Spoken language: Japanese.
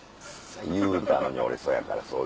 言うたのに俺そやから。